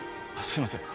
すいません